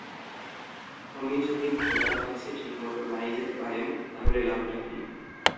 উনি যদি ঘোড়ার কাছে ঠিকমত না-ই যেতে পারেন, তাহলে লাভটা কী?